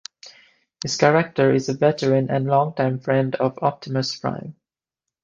His character is a veteran and longtime friend of Optimus Prime.